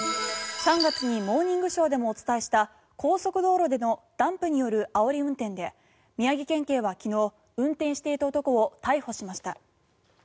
３月に「モーニングショー」でもお伝えした高速道路でのダンプによるあおり運転で宮城県警は昨日運転していた男を逮捕しました。